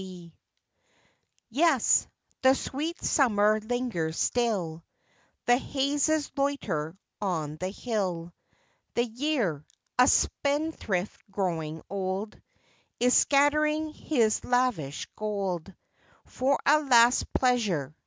Yes, the sweet summer lingers still ; The hazes loiter on the hill ; The year, a spendthrift growing old, Is scattering his lavish gold For a last pleasure.